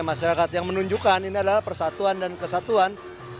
masyarakat yang menunjukkan ini adalah persatuan dan kesatuan